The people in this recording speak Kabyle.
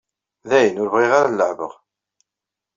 Dayen, ur bɣiɣ ara ad leɛbeɣ.